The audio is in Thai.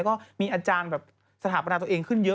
ก็มีอาจารย์แบบสถาปนาตัวเองขึ้นเยอะ